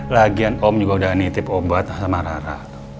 lagian om juga udah nitip obat sama rara